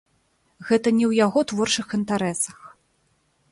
Гэта не ў яго творчых інтарэсах.